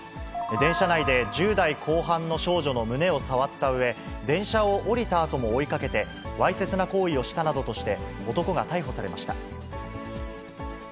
電車内で１０代後半の少女の胸を触ったうえ、電車を降りたあとも追いかけて、わいせつな行為をしたなどとして、男が逮捕されました。